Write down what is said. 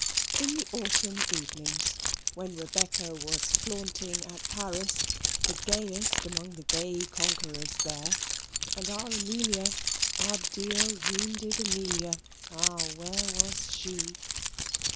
In the autumn evenings (when Rebecca was flaunting at Paris, the gayest among the gay conquerors there, and our Amelia, our dear wounded Amelia, ah! where was she?)